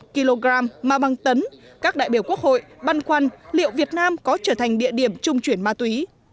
kg mà bằng tấn các đại biểu quốc hội băn khoăn liệu việt nam có trở thành địa điểm trung chuyển ma túy